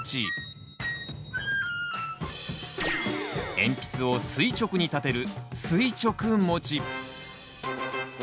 鉛筆を垂直に立てる「垂直持ち」。